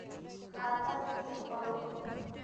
খাট টা তো ঠিক কর।